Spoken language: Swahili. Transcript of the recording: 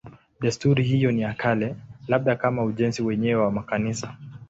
Desturi hiyo ni ya kale, labda kama ujenzi wenyewe wa makanisa.